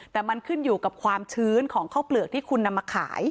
แต่มันขึ้นอยู่กับความชื้นของข้าวเปลือกที่คุณนำมาขาย